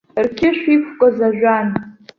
Рқьышә иқәкыз ажәан.